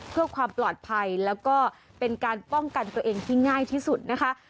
เพื่อความปลอดภัยแล้วก็เป็นการป้องกันตัวเองที่ง่ายที่สุดนะคะ